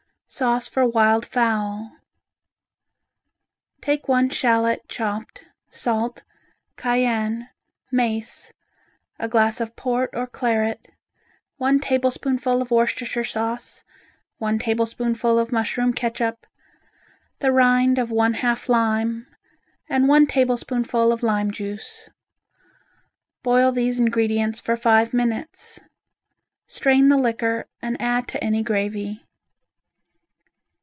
Sauce for Wild Fowl Take one shallot chopped, salt, cayenne, mace, a glass of port or claret, one tablespoonful of Worcestershire sauce, one tablespoonful of mushroom catsup, the rind of one half lime and one tablespoonful of lime juice. Boil these ingredients for five minutes. Strain the liquor and add to any gravy.